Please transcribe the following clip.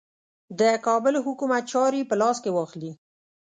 د کابل حکومت چاري په لاس کې واخلي.